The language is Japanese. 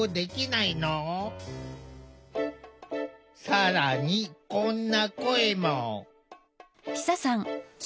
更にこんな声も。